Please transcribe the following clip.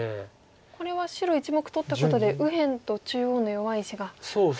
これは白１目取ったことで右辺と中央の弱い石がツナがりましたね。